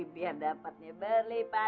saya mau mesti pulang bu